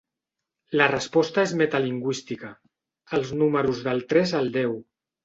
La resposta és metalingüística: als números del tres al deu.